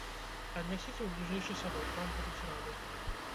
Аднясіце ў бліжэйшы садок, вам будуць рады.